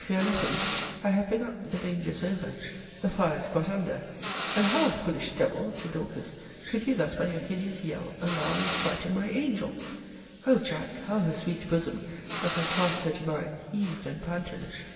fear nothing: I have been up the danger is over the fire is got under and how, foolish devil, [to Dorcas,] could you thus, by your hideous yell, alarm and frighten my angel! O Jack! how her sweet bosom, as I clasped her to mine, heaved and panted!